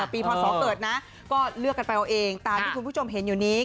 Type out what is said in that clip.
พศเกิดนะก็เลือกกันไปเอาเองตามที่คุณผู้ชมเห็นอยู่นี้